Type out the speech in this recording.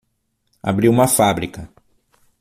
Abriu uma fábrica